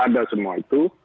ada semua itu